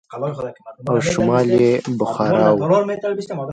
او شمال يې بخارا و.